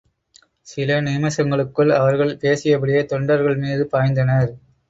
சில நிமிஷங்களுக்குள் அவர்கள் பேசியபடியே தொண்ர்கள் மீது பாய்ந்தனர்.